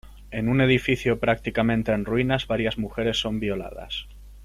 En un edificio prácticamente en ruinas varias mujeres son violadas.